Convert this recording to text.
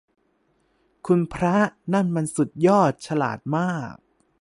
คุณพระ นั่นมันสุดยอด ฉลาดมาก